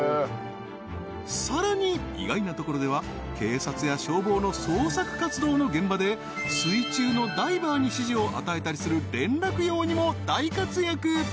さらに意外なところでは警察や消防の捜索活動の現場で水中のダイバーに指示を与えたりする連絡用にも大活躍